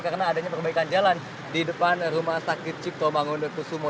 karena adanya perbaikan jalan di depan rumah sakit cipto mangun deku sumo